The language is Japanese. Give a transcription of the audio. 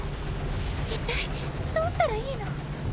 一体どうしたらいいの？